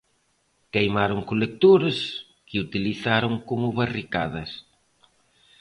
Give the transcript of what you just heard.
Queimaron colectores, que utilizaron como barricadas.